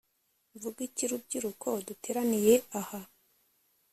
mvuge iki rubyiruko duteraniye aha